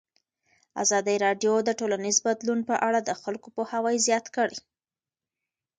ازادي راډیو د ټولنیز بدلون په اړه د خلکو پوهاوی زیات کړی.